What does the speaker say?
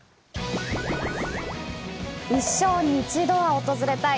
一生に一度は訪れたい！